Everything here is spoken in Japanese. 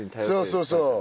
そうそうそう。